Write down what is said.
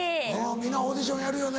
皆オーディションやるよね。